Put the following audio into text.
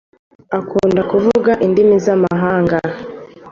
akunda kuvuga indimi z'amahanga